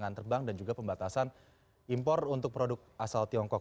layanan terbang dan juga pembatasan impor untuk produk asal tiongkok